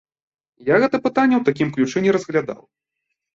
Я гэта пытанне ў такім ключы не разглядаў.